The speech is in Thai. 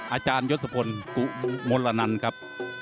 อาจารยศพลกุมลนันครับ